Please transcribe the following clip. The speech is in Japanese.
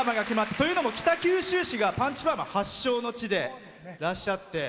というのも北九州市がパンチパーマ発祥の地でらっしゃって。